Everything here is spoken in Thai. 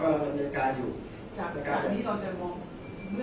เรื่องของแก้ข้อหา